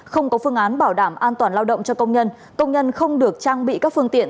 không có phương án bảo đảm an toàn lao động cho công nhân công nhân không được trang bị các phương tiện